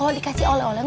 iya makasih ya tut